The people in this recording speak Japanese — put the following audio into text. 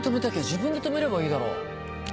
自分で止めればいいだろう。